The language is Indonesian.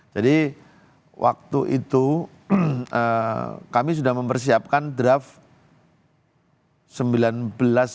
jadi waktu itu kami sudah mempersiapkan draft